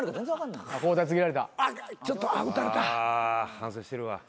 反省してるわ。